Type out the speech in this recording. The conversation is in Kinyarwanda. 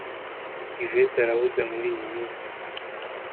yvette arahuze muriyi minsi